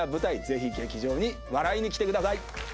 ぜひ劇場に笑いに来てください